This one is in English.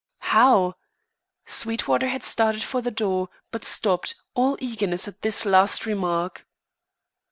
"How?" Sweetwater had started for the door, but stopped, all eagerness at this last remark.